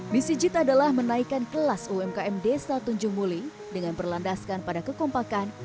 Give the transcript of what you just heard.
misi jit adalah menaikkan kelas umkm desa tunjung muling dengan berlandaskan pada kekompakan